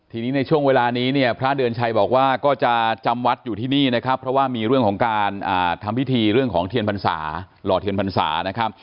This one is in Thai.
ทีนี้ในช่วงเวลานี้เนี่ยพระเดิญชัยบอกว่าก็จะจำวัดอยู่ที่นี่นะครับเพราะว่ามีเรื่องของการทำพิธีเรื่องของเทียนพรรษา